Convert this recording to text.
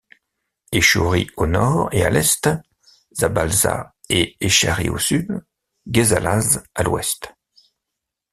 Echauri au nord et à l'est, Zabalza et Echarri au sud, Guesálaz à l'ouest.